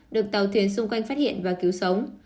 được tàu thuyền xung quanh phát hiện và cứu sống